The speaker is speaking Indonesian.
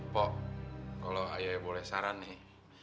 pok kalau ayah boleh saran nih